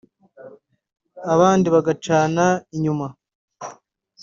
abandi bagacana inyuma